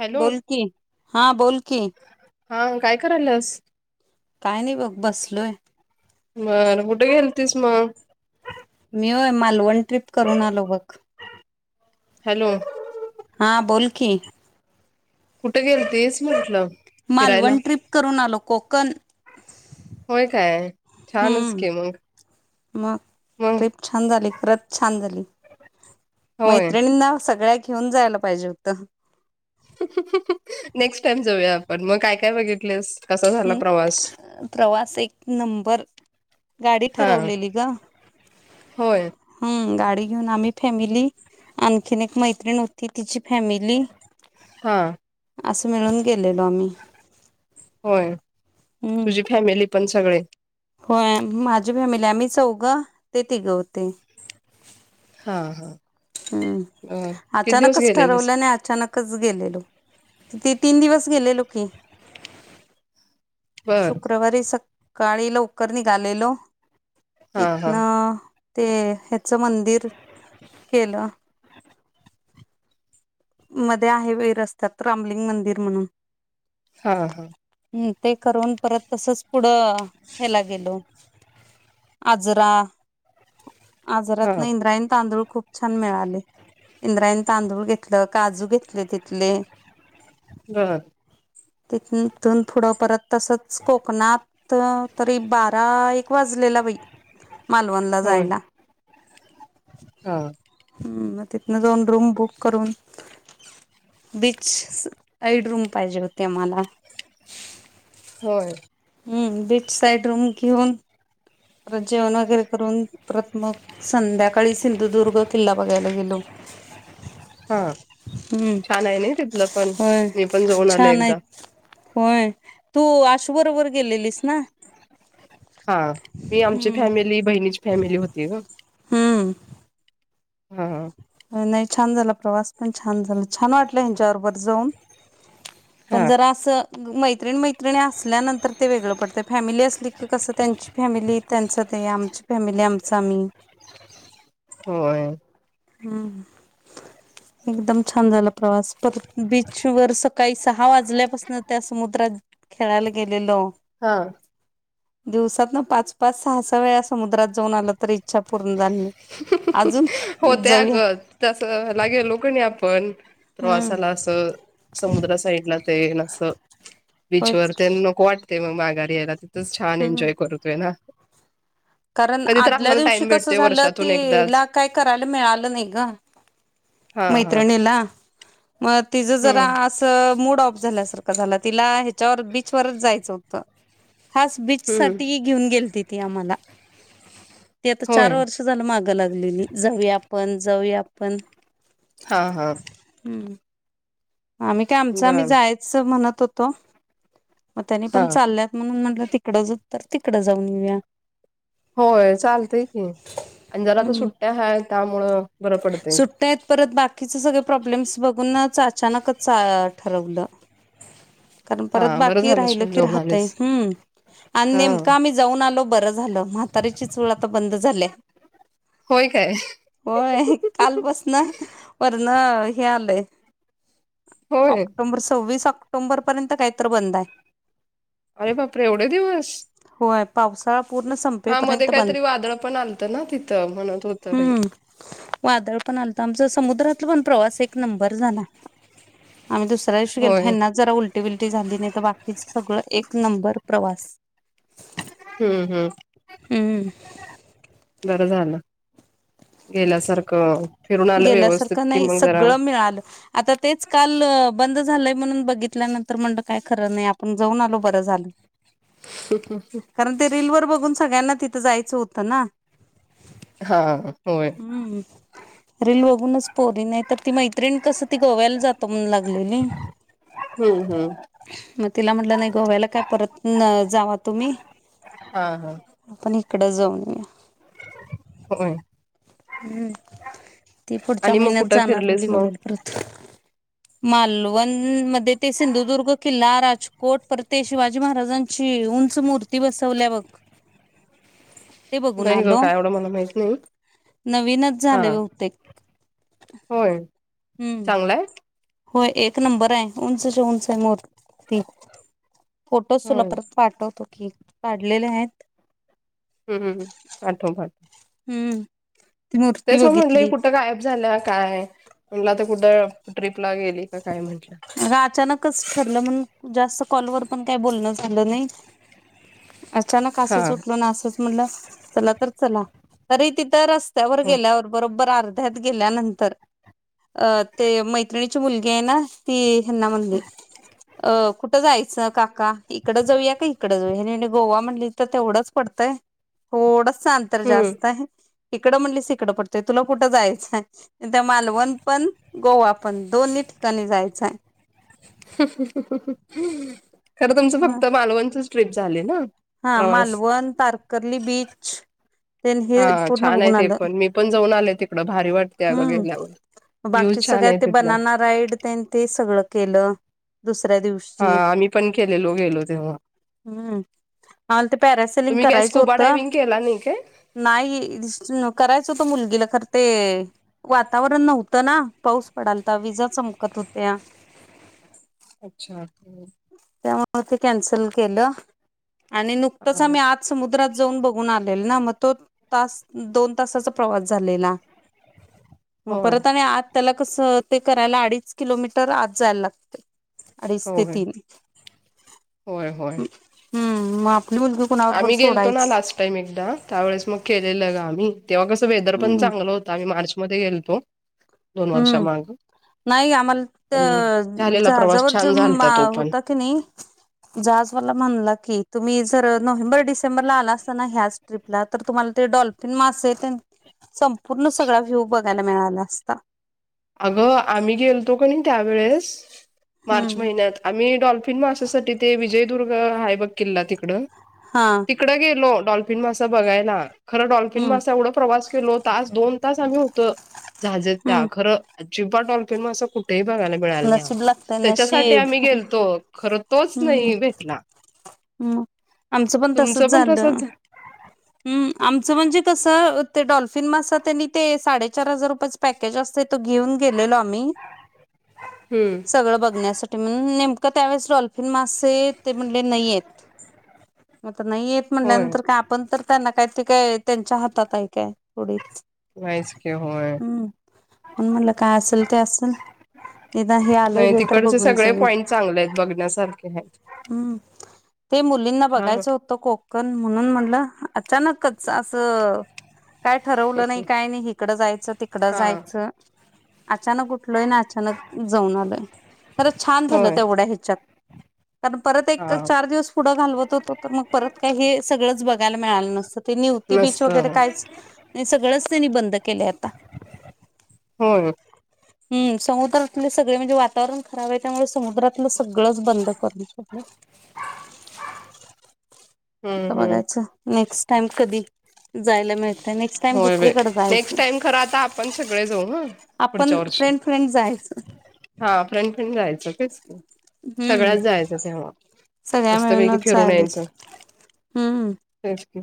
Hello बोलकीि हा बोलकीि हा काय करायलास काय नाही बघ बसलोय बरं कुठे घेल तस मग मी होय मालवण ट्रिप करून आलो बघ हॅलो हां बोलखे कुठं गेल तेच म्हटलं फिरायला मालवण ट्रीिप करून आलो कोकण होय काय छानच हम् की मग मग मग ट्रिप छान झाली खरच छान झाली होय मैत्रिणींना सगळ्या घेऊन जायला पाहिजे होत नेक्स्ट टाइम जाऊया आपण मग काय काय बघितलेस कसा झाला प्रवास प्रवास एक नबर गाडी हा ठरवलेली होय गाडी [inaudible] फॅमिली हा असं मिळून गेलेलो आम्ही होय हम्म तुझी फॅमिली पण सगळे होय माझी फॅमिली आम्ही चौघं ते तिघं होते हा हा हम्म बर किती दिवस अचानकच गेलेलेस ठरवलं नाही अचानक गेलेलो किती तीन दिवस गेलेलो की बर शुक्रवारी स काळी ल उकर निघालेलो हा हा इतना ते ह्याच मंदिर केलं मध्ये आहे वै रस्त्यात रामलिंग मंदिर म्हणून हा हा हम् ते करून परत तसच पुढं ह्याला गेलो आजरा आजारात हा ना इंद्रायण तांदूळ खूप छान मिळाले इंद्रायं तांदूळ घेत म काजू घेतले तिथले बर तथथन पुढं परत तसंच कोकणात त तरी बारा एक वाजलेला बाई मालवणला होय जायला हा ह् मग तिथन जाऊन रूम बुक करून बीच ऐड रूम पाहिजे होते मला होय हम्म बीच साईड रूम घेऊन जेवण वगैरे करून प्रथमग संध्याकाळी सिंधुदुर्ग किल्ला बघायला गेलो हा हम्म छान आहे ना तिथलं पण होय मी पण जाऊन आल छान एकदा आहेत होय तू अस बरोबर गेलेलीस ना हा मी आमची हम्म फॅमिली बहिणीची फॅमिली होती ग हम्म हम् नाही छान झाला प्रवास पण छान झाला छान वाटला ह्यांच्याबरोबर जाऊन हा पण जरा असं मैत्रिण मैत्रिणी असल्यानंतर ते वेगळं पडतं फॅमिली असली की कसं त्यांची फॅमिली त्यांच ते आमची फॅमिली आमच आम्ही होय हम् एकदम छान झाला प्रवास पर बीचवर सकाळी सहा वाजल्यापासून त्या समुद्रात खेळायला गेलेल हा दिवसात ना पाच पाच सहा सहा वेळा समुद्रात जाऊन आलं तर इच्छा पूर्ण झाली अजून हो त्याग जाऊया तस लागेल लोकणी आपण हम्म प्रवासाला असं समुद्र साईड ला ते नस बीच होयच वर की त्यां मक वाट मग मागा ला तिथंच छान हम्म एन्जॉय करतोय ना कारण कधी तर आदल्या आपल्याला दिवशी टाइम कस भेटतोय झालं वर्षातून एकदाच तला काय करायला मिळालं नाही ग हा हा मैत्रिणीला म तिचं हम्म जरा अस मूड ऑफ झाल्यासारखं झा तिला ह्याच्यावर बीचवरच जायचं होतं हाास बीच हम्म साठी घेऊन गेल ति त आ म्हाला ते आता चार होय वर्ष झालं मागं लागलेली जाऊ आपण जाऊ पण हा. हा. हम्म. आम्ही काय? आमच आम्ही बर जायचं म्हणत होतो, मग त्यांनी हा पण चालल्यात, म्हणून म्हटलं तिकडं जावू तर तिकडं जाऊन येऊया. होय चालतय, की आणि जरा आता सुट्ट्या हाय त्यामुळं बरं पडतय सुट्या आहेत, परत बाकीचे सगळे प्रॉब्लेम्स बघूनच अचानकच ठरवलं. कारण हा परत बरं बाकी झालंस राहिलं पण की, जेवून राहतय आलीस हम्म आणि हा नेमकं आम्ही जाऊन आलो बरच झाल. म्हातारीची चूळ आता बंद झाल्या. होय काय? काल पासन, वरण हे आलंय होय ऑक्टोंबर सविस ऑक ऑक्टोंबरपर्यंत काय तर बंद आहे. अरे बापरे एवढे दिवस? होय पावसाळा पूर्ण हा मधे संपेपर्यंत बंद काहीतरी वादळ पण आलत ना तिथं म्हणत होतं हे हम्म. वादळ पण आलत आमचं समुद्रातलं पण प्रवास एक नंबर झाला. आम्ही दुसऱ्या दिवशी गेलतो होय ह्यांना जरा उलटी बिलटी झाली नाहीतर बाकीच सगळ एक नंबर प्रवास. हं हं हम्म. [unintelligible] झालं गेल्यासारखं फिरून आलं गेल्या व्यवस्थित सारखं कि नाही मग जरा सगळं मिळालं आता तेच काल बंद झालंय म्हणून बघितल्यानंतर म्हणलं काय खरं नाही आपण जाऊन आलो बरं झालं कारण ते रिलवर बघून सगळ्यांना तिथं जायचं होतं ना. हां होय. रिल बघूनच पोरी नाहीतर ती मैत्रीण कसं ती गोव्याला जातो म्हणून लागलेली हम्म हम्म म तिला म्हणलं नाही गोव्याला काय परत न जावा तुम्ही हा हा हिकडं जाऊन या होय. हं ती पुढच्या आणि मग महिन्यात कुठं जाणारं फिरलेस म्हणली, मग गोव्याला परत मालवण मं ध्ये ते सिंधुदुर्ग किल्ला, राज कोट, परत ते शिवाजी महाराजांची उंच मूर्ती बसवल्या बघ ते बघून नाही ग! आलो. काय एवढ मला माहित नाही? नवीनच हा झालंय बहुतेक होय हम्म चांगलाय होय एक नंबर आहे उंचाश ये मुर्ती फोटोज् तुला होय परत पाठवतो केक काढलेले आहेत. हं हं [unintelligible] हं त्याच म्हटलंय कुठं गायब झाल्या काय म्ह कुठ अग अचानकच ठरलं म्हण जास्त कॉलवरर पण काही बोलणं झालं नाही अचानक असं हा सु उटलो ना असंच म्हटलं चला तर चला तरी तिथ वर हम्म गेला बरोब ब अर्ध्यात गेल्यानंतर मै्र मुलगे आहे ना ती ना म्हणले अ कुठ जायचं काका इकड जाऊया का इकडे जाऊया म्हे गोवा म्हणली तर तेवढंच पडतंय थोडं ांतर जास्त आहे इकडं म्हणली त इिकडं पडतय तुला कुठं जायचंय त्या मालवण पण गोवा पण दोन्ही ठिकाणी जायचंय ह ह ह ह खरं तुमचं म फक्त मालवणचच ट्रीप झाली ना हा प्रवास मालवण तारकर्ली बीच हे पूर्ण बघून आलं आ तिकड हम्म व्ह्यूज बाकी छान सगळ्या आहे ते तिथला बनाना राईड ते ते सगळं केलं दुसऱ्या दिव हा आम्ही पण केलेलो गेलो तेव्हा पलिंग तुम्ही काय करायच स्कुबा होत डायविंग केला नाही काय नाही करायच होत मुग खर ते वातावरण नव्हतं ना पाऊस पडालता विजा चमकत होत्या अच्छा त्यामु ते कॅन्सल केलं आणि नुकतंच आम्ही आज समुद्रात जाऊन बघून आलो मग तो त दोन तसाचा प्रवास झालेला मग होय परत आणि आत त्याला कसं ते करायला अडीच किलोमीटर आत जायला लागते अडीच ते होय तीन होय होय हम्म मग आपली मुलगी कुणावर बर आम्ही गेलतो ना सोडायच लास्ट टाइम एकदा त्यावेळेस मग ख लगावी तेव्हा कसं वेद पण हम्म चांगलं होत आणि म् मध्ये गेल तो हम्म नाही पण झालेला आम्हाला प्रवास जव छान झालता तो पण होत की नाही जजवाला म्हण की क तुम्ही जर नोव्हेंबर डिसेंबरला आला असता ना ह्याच ट्रिपला तर तुम्हाला ते डॉल्फिन मासेल संपूर्ण सगळा व्ह्यू बघायला मिळाला असता अगं आम्ही गेलतो का नाही त्यावेेळेस मार्च हम्म महिन्यात आम्ही डॉल्फिन मासासाठी ते विजय दुर्ग हायबग किल्ला तिकडं हा तिकडं गेलो डॉल्फिन मसा बघायला खरं डॉल्फिन हम्म मासा एवढं प्रवास केलो तास दोन तास आम्ही होतो झाजे त्या हम्म खरं अजिबबाडलफन म असं कुठ ते बघायला मिळाल नाही नशीब आम्हाला लागतय त्याच्यासाठी नशीब आम्ही गेलतो खर तोच नाही भेटला हम् आमचं पण तुमचं तसच पण झालं तसच हम्म आमचं म्हणजे कसं ते डॉल्फिन मसतात त्यां आणि ते साडेचार हजार रुपयाचे पॅकेज असते त घेऊन गेलेलो आम्ही हम्म सगळ बघण्यासाठीण नेम का त्यावेेळेस डॉल्फिन मासे ते म्हटले नाहीयेत आता नाही येत होय म्हटल्यानंतर का आपण तर त्यांना काय ते काय त्यांच्या हातात काय थडीच नाहीच की होय हम्म प म्हटलं काय असेल ते असेल निदा हे आल नाही हे तर तिकडचे बघून सगळे जाऊया पॉइंट चांगले आहेत बघण्यासारखे आहेत हम् ते मुलींना छान बघायचं वाट होतं कोकण म्हणून म्हणलं अचानकच असं काय ठरवलं नाही काय नाही हिकडं जायचं तिकडं हा जायचं अचानक उठलोय ना अचानक जाऊन आलोय खरं छान झालं होय तेवढ्या ह्याच्यात कारण परत एक हा चार दिवस पुढं घालवत होतो तर मग परत काही हे सगळंच बघायला मिळालं नसतं ते निुती बीच मस्त वगैरे काहीच नाही सगळंच त्यांनी बंद केलं आता होय हम् समुद्रातले सगळे म्हणजे वातावरण खराब आहे त्यामुळे समुद्रातलं सगळंच बंद करून शगलं हम्म हम्म बघायचं नेक्स्ट टाम कधी जायला मिळत नेक्स्ट टाइम होय बाई दुसरीकडे जायचं नेक्स्ट टाइम खरं आता आपण सगळे जाऊ हा आपण पुढच्या वर्षी फ्रेंड फ्रेंड जायचं च हम्म सगळ्यात जायचं तेव्हा सगळ्या मस्तपैकी मिळूनच फिरून झाले यायचं हम्म तेच की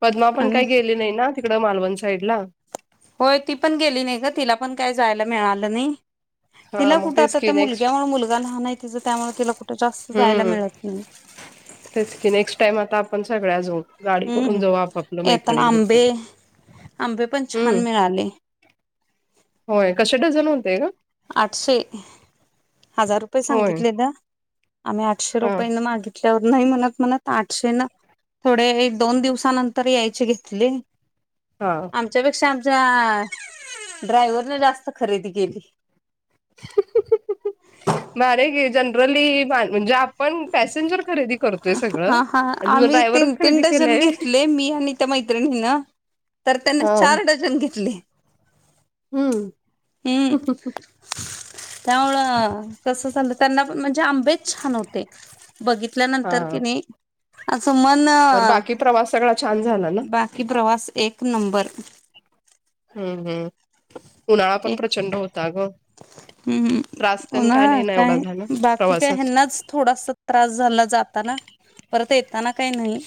पद्मा पण आणि काही गेले नाही ना तिकड मालवंत साईडला होय ती पण गेली नाही का तिला पण काय जायला मिळालं नाही हा तिला मग कुठं तेच आता की त्या नेक्स्ट मुलग्यामुळे मुलगा लहाना त्यामुळे जास्त जायला हम्म मिळत नाही. तेच क नेक्स्ट टाइम आता आपण सगळ्या झोड हम्म येताना आंबे आंबे पण छान हम्म मिळाले छड जणन होतेय का आठशे हजार रुपये होय सांगितले द आम्हीठशे हा रुपयां मागित ल्यावरून म्हणत म्हणत आठशे न थोडे दोन दिवसानंतर यायचे घेतले हा आमच्यापेक्षा आम ड्रायव्हरने जास्त खरेदी केली ब जनरली म्हणजे आपण पॅसेंजर खरेदी करतोय सगळं हा हा आणि तुझा आम्ही तीन ड्रायव्हरच तीन खरेदी डझन केलाय घेतले मी आणि त्या मैत्रिणीन तर त्यांन हा चार डझन घेतले हम्म हम् त्यामुळं कस चालं त्यांना म्हणजे आंबेच छान होते बघितल्यानंतर कि हा नाही सुमन बर बाकी प्रवास सगळा छान झाला ना बाकी प्रवास एक एक नंबर हम्म हम्म उन्हाळा पण एक प्रचंड होता ग त्रास हम् तेन ना नाही एवढा काय झाला बाकी काय प्रवासात हनाच थोडासा त्रास झाला जाताना परत येताना काही नाही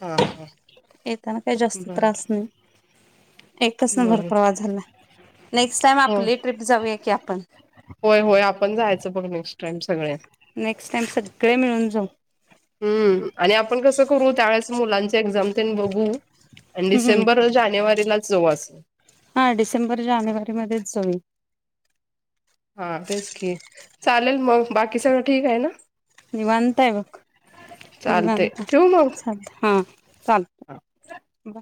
हा हा येताना काही जास्त बर त्रास नाही एकच बर नंबर नेक्स्ट टाईम हो आपली ट्रीप जाऊया की, आपण व्हय. नेक्स्ट टाइम सगळे मिळून जाऊ. हम्म आणि आपण कस करू? त्यावेळेस मुलांच एक्झाम तेन बघू आणि हम्म डिसेंबर, जानेवारीलाच जाऊ अस. सगळी. हा तेच की, चालेल मग बाकी सगळं ठीक आहे ना! निवांत हाय बघ, चालतय निवांत, ठेवू मग हा चालतय.